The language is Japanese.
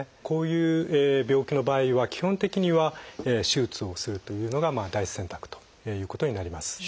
こういう病気の場合は基本的には手術をするというのが第一選択ということになります。